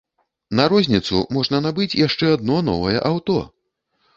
На розніцу можна набыць яшчэ адно новае аўто!